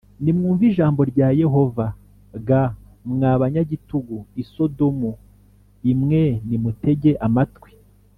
Nimwumve ijambo rya yehova g mwa banyagitugu i sodomu i mwe nimutege amatwi